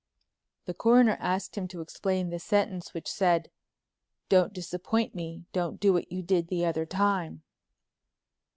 The Coroner asked him to explain the sentence which said "Don't disappoint me—don't do what you did the other time."